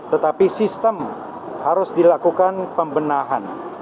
tetapi sistem harus dilakukan pembenahan